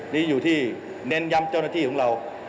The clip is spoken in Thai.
นี่อยู่ที่เน้นย้ำเจ้าหน้าที่ของเรา